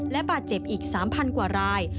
และบาดเจ็บอีก๓๐๐กว่าราย